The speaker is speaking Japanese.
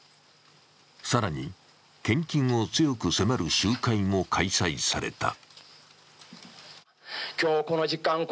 更に、献金を強く迫る集会も開催された。